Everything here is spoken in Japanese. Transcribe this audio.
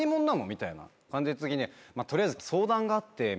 みたいな感じで取りあえず相談があってみたいな。